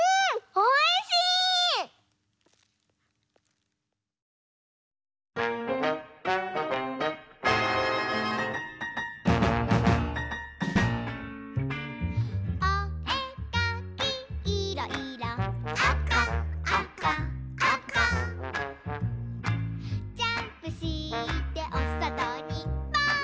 「おえかきいろ・いろ」「あかあかあか」「ジャンプしておそとにぽーん！」